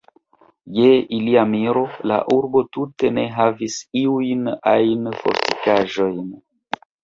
Je ilia miro, la urbo tute ne havis iujn ajn fortikaĵojn.